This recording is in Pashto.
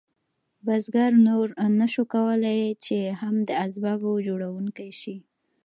بزګر نور نشو کولی چې هم د اسبابو جوړونکی شي.